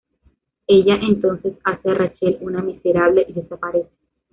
Ella entonces hace a Rachel una miserable y desaparece.